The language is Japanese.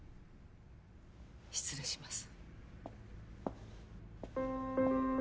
失礼します。